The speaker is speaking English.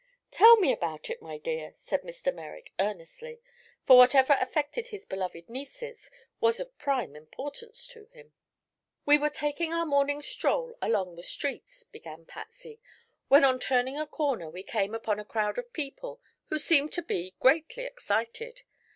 "Tell me all about it, my dear!" said Mr. Merrick, earnestly, for whatever affected his beloved nieces was of prime importance to him. "We were taking our morning stroll along the streets," began Patsy, "when on turning a corner we came upon a crowd of people who seemed to be greatly excited.